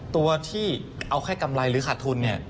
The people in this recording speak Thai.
ตัวที่เอาแค่กำไรหรือขาดทุนเนี่ย